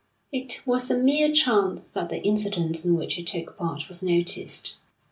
It was a mere chance that the incident in which he took part was noticed.